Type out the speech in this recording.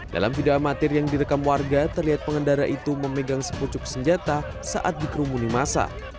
dalam video amatir yang direkam warga terlihat pengendara itu memegang sepucuk senjata saat dikerumuni masa